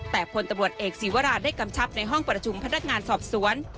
แต่พลตำรวจเอกศีวราชได้กำชับในห้องประชุมพนักงานสอบสวน